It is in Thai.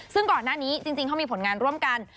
ซึ่งก่อนหน้านี้จริงเขามีผลงานร่วมกัน